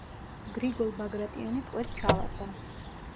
გრიგოლ ბაგრატიონი ტყვედ ჩავარდა.